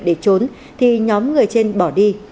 để trốn thì nhóm người trên bỏ đi